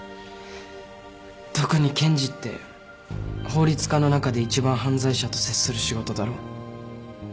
特に検事って法律家の中で一番犯罪者と接する仕事だろ？